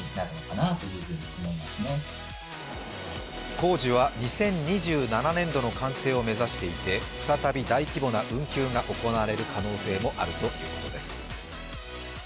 工事は２０２７年度の完成を目指していて再び大規模な運休が行われる可能性もあるということです。